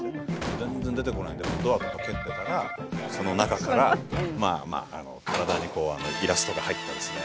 全然出てこないんでドアとか蹴ってたらその中からまあまあ体にイラストが入ったですね。